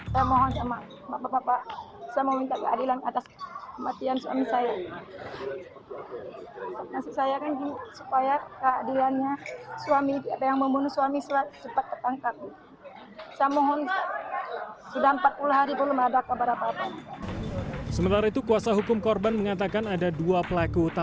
saya mohon sama bapak bapak saya mau minta keadilan atas kematian suami saya